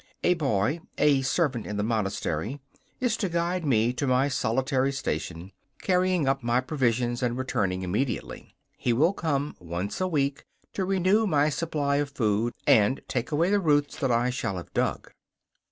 A boy, a servant in the monastery, is to guide me to my solitary station, carrying up my provisions and returning immediately. He will come once a week to renew my supply of food and take away the roots that I shall have dug.